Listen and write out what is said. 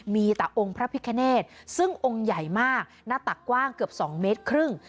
มีแต่องค์พระพิคเนตซึ่งองค์ใหญ่มากหน้าตักกว้างเกือบ๒เมตรครึ่ง